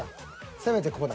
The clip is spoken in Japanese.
せめてここだ。